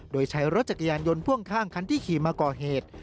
โดยใช้รถจักรยานยนต์พ่วงข้างคันที่ขี่มาก่อเหตุ